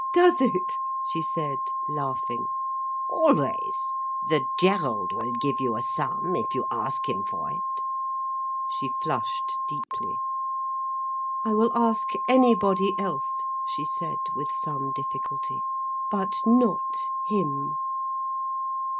"Does it?" she said, laughing. "Always. The Gerald will give you a sum, if you ask him for it—" She flushed deeply. "I will ask anybody else," she said, with some difficulty—"but not him."